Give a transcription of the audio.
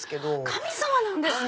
神様なんですね！